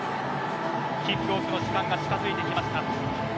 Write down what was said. キックオフの時間が近づいてきました。